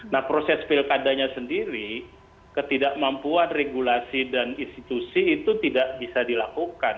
nah proses pilkadanya sendiri ketidakmampuan regulasi dan institusi itu tidak bisa dilakukan